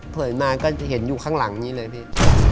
เผยมาก็เห็นอยู่ข้างหลังนี้เลยพี่